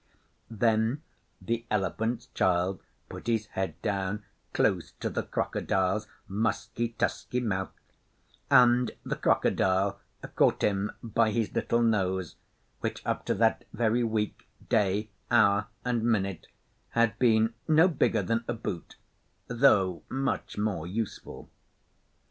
Then the Elephant's Child put his head down close to the Crocodile's musky, tusky mouth, and the Crocodile caught him by his little nose, which up to that very week, day, hour, and minute, had been no bigger than a boot, though much more useful.